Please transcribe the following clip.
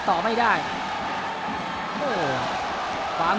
สวัสดีครับ